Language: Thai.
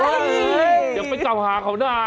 เดี๋ยวไปเจ้าหาเขาหน้า